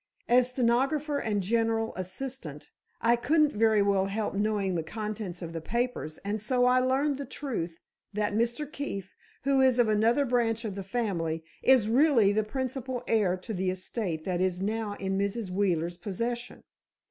As stenographer and general assistant, I couldn't very well help knowing the contents of the papers and so I learned the truth, that Mr. Keefe, who is of another branch of the family, is really the principal heir to the estate that is now in Mrs. Wheeler's possession.